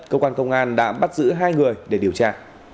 cơ quan công an đã bắt giữ hai người để điều tra